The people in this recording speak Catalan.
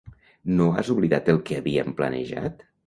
No has oblidat el que havíem planejat?